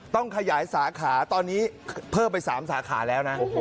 ต้องขยายสาขาตอนนี้เพิ่มไป๓สาขาแล้วนะ